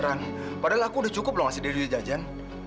ran padahal aku udah cukup loh ngasih diri di jajan